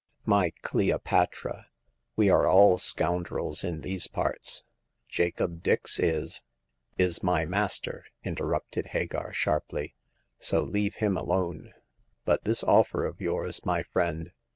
" My Cleopatra, we are all scoundrels in these parts. Jacob Dix is " "Is my master !" interrupted Hagar, sharply. So leave him alone. But this offer of yours, my friend.